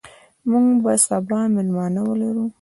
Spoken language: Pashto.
موږ به سبا مېلمانه ولرو.